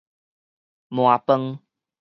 鰻飯